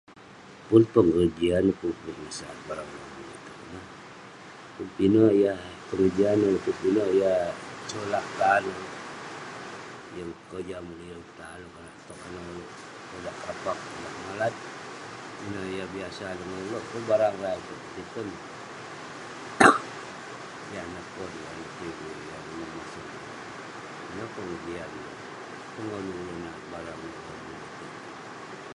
Pun pengejian, pun pengesat barang lobuk itouk. Kuk pinek yah, [unintelligible] kuk pinek yah solap tan ulouk. Yeng kojam ulouk, yeng tan ulouk. Konak tog anah ulouk konak kapak, konak malat, ineh yah biasa nongen ulouk. Pun barang rah itouk petiken ; yan neh pon, yan neh tv, yan neh mesen. Ineh pengejian neh [unintelligible] [unintelligible]